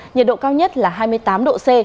nhiệt độ cao nhất là hai mươi tám độ c